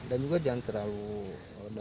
dan juga jangan terlalu dalam